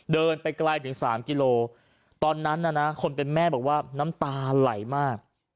เดินไปไกลถึง๓กิโลตอนนั้นน่ะนะคนเป็นแม่บอกว่าน้ำตาไหลมาก